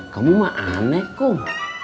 kamu mah aneh kun